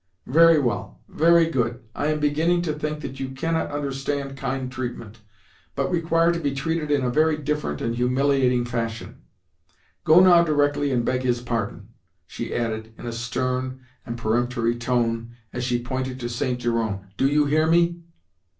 Very well, very good. I am beginning to think that you cannot understand kind treatment, but require to be treated in a very different and humiliating fashion. Go now directly and beg his pardon," she added in a stern and peremptory tone as she pointed to St. Jerome, "Do you hear me?"